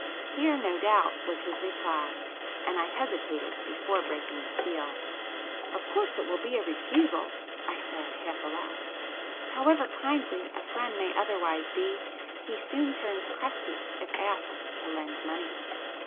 Here, no doubt, was his reply, and I hesitated before breaking the seal. "Of course it will be a refusal," I said half aloud,—"However kindly a friend may otherwise be, he soon turns crusty if asked to lend money.